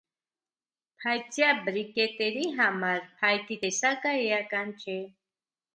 Փայտյա բրիկետերի համար փայտի տեսակը էական չէ.։